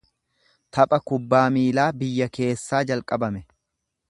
Tapha kubbaa miilaa biyya keessaa jalqabame.